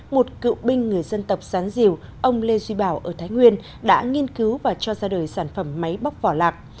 một cựu binh người dân tộc sán diều ông lê duy bảo ở thái nguyên đã nghiên cứu và cho ra đời sản phẩm máy bóc vỏ lạc